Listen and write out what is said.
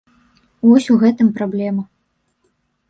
Вось у гэтым праблема.